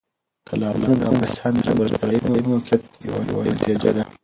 تالابونه د افغانستان د جغرافیایي موقیعت یو نتیجه ده.